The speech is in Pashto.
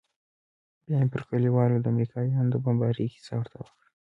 بيا مې پر کليوالو د امريکايانو د بمبارۍ کيسه ورته وکړه.